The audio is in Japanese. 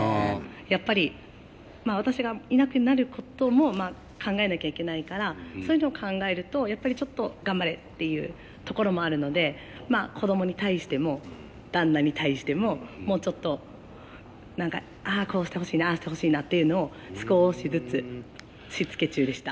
やっぱり私がいなくなることもまあ考えなきゃいけないからそういうのを考えるとやっぱりちょっと頑張れっていうところもあるのでまあ子供に対しても旦那に対してももうちょっとああこうしてほしいなああしてほしいなっていうのを少しずつしつけ中でした。